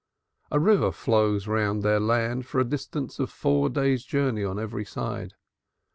A river flows round their land for a distance of four days' journey on every side.